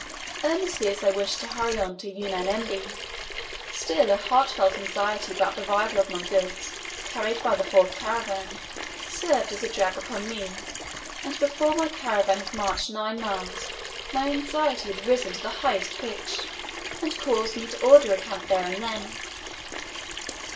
Earnestly as I wished to hurry on to Unyanyembe, still a heart felt anxiety about the arrival of my goods carried by the fourth caravan, served as a drag upon me and before my caravan had marched nine miles my anxiety had risen to the highest pitch, and caused me to order a camp there and then.